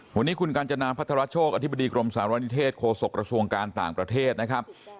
วันนี้คุณกาญจนาพัทรโชคอธิบดีกรมสารณิเทศโฆษกระทรวงการต่างประเทศนะครับ